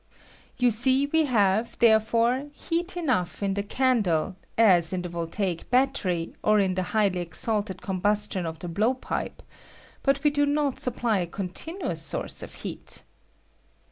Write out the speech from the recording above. You see we have, therefore, heat enough in the candle, as in the voltaic battery or in the highly ex alted combustion of the blowpipe, but we do not supply a continuous source of heat.